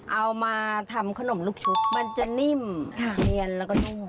เอามาทำขนมลูกชุบมันจะนิ่มเนียนแล้วก็นุ่ม